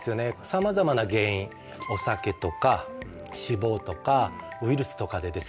様々な原因お酒とか脂肪とかウイルスとかでですね